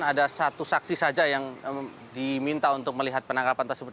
ada satu saksi saja yang diminta untuk melihat penangkapan tersebut